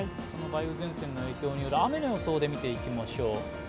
梅雨前線の影響による雨の予想を見ていきましょう。